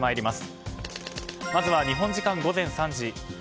まずは日本時間午前３時。